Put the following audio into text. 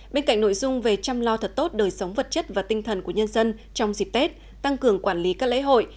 bên cạnh nội dung về chăm lo thật tốt đời sống vật chất và tinh thần của nhân dân trong dịp tết tăng cường quản lý các lễ hội